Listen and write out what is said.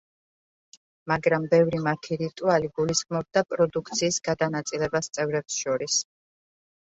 მაგრამ ბევრი მათი რიტუალი, გულისხმობდა პროდუქციის გადანაწილებას წევრებს შორის.